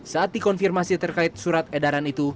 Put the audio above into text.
saat dikonfirmasi terkait surat edaran itu